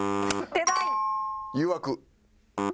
『誘惑』。